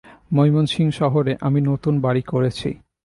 ময়মনসিংহ শহরে আমি নতুন বাড়ি করেছি।